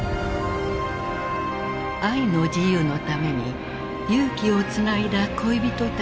愛の自由のために勇気をつないだ恋人たちの物語である。